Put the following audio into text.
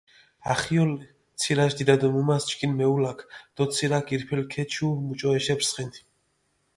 ახიოლ ცირაშ დიდა დო მუმას ჩქინ მეულაქ დო ცირაქ ირფელი ქეჩიუ მუჭო ეშეფრსხინ.